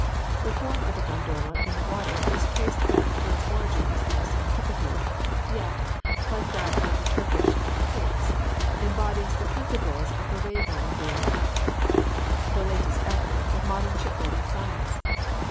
The form of the gondola in the water is traced back till its origin is lost in antiquity, yet (like that of the Turkish ca├»ques) embodies the principles of the wave line theory, the latest effort of modern ship building science.